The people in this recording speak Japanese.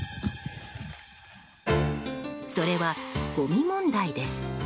それは、ごみ問題です。